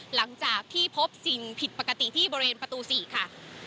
หลังจากที่พบสิ่งผิดปกติที่บริเวณประตู๔ค่ะ